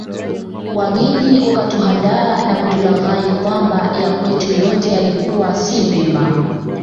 Wageni wakatuhadaa na kutulaghai kwamba ya kwetu yote yalikuwa si mema